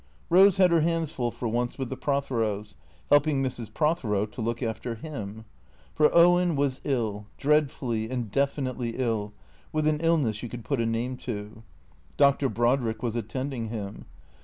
Eose had her hands full for once with the Protheros, helping Mrs. Prothero to look after him. For Owen was ill, dreadfully and definitely ill, with an illness you could put a name to. Dr. Brodrick M'as attending him.